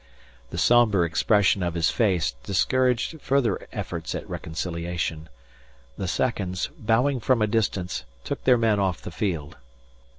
The sombre expression of his face discouraged further efforts at reconciliation. The seconds, bowing from a distance, took their men off the field.